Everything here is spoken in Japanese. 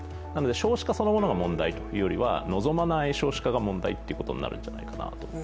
少子化そのものがもんだいというよりは望まない少子化が問題ということになるのではないのかなと。